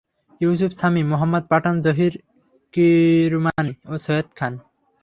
ইউসুফ শামি, মোহাম্মদ পাঠান, জহির কিরমানি ও সৈয়দ খান।